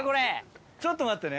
ちょっと待ってね。